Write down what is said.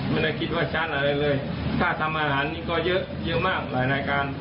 ไม่ได้คิดว่าชั้นอะไรเลยถ้าทำอาหารนี่ก็เยอะเยอะมากหลายรายการ